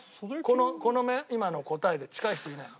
この今の答えで近い人いないの？